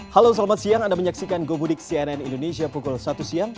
halo selamat siang anda menyaksikan gomudik cnn indonesia pukul satu siang